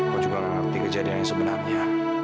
gue juga gak ngerti kejadian yang sebenarnya